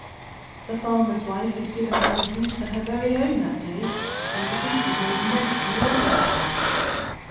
The farmer's wife had given her a goose for her very own that day, and the goose had made a nest in the alder bushes.